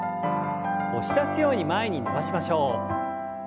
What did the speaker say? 押し出すように前に伸ばしましょう。